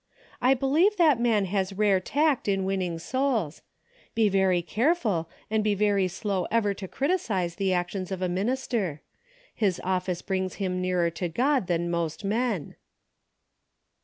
I believe that man has rare tact in winning souls. Be very careful, and be very slow ever to criticise the actions of administer. His office brings him nearer to God than most men."